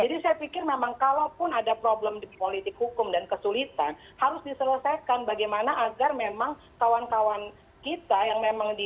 jadi saya pikir memang kalaupun ada problem di politik hukum dan kesulitan harus diselesaikan bagaimana agar memang kawan kawan kita yang memang di dpr